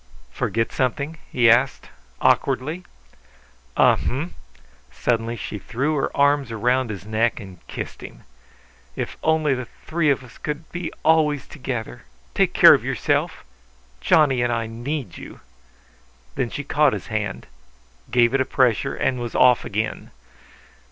"Forget something?" he asked, awkwardly. "Uh hm!" Suddenly she threw her arms round his neck and kissed him. "If only the three of us could be always together! Take care of yourself. Johnny and I need you." Then she caught his hand, gave it a pressure, and was off again.